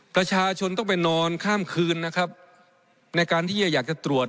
ประชาชนต้องไปนอนข้ามคืนนะครับในการที่จะอยากจะตรวจ